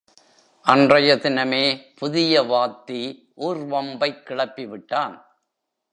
அன்றைய தினமே, புதிய வாத்தி ஊர்வம்பைக் கிளப்பிவிட்டான்.